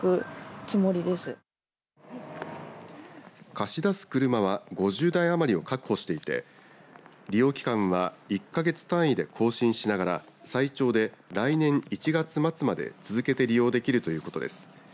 貸し出す車は５０台余りを確保していて利用期間は１か月単位で更新しながら最長で来年１月末まで続けて利用できるということです。